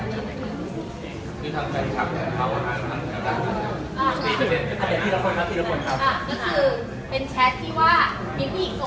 แล้วมันเด้งไลน์ขึ้นมาใช่ไหมค่ะเราก็กดเข้าไปดู